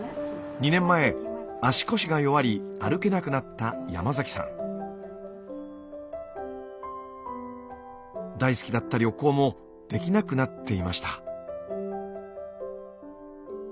２年前足腰が弱り歩けなくなった大好きだった旅行もできなくなっていました。